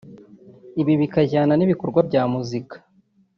Ibi bikajyana n’ibikorwa bya muzika